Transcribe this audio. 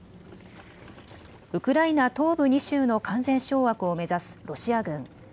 ウクライナ東部２州の完全掌握を目指すロシア軍。